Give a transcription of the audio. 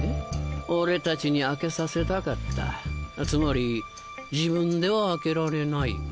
俺たちに開けさせたかったつまり自分では開けられない。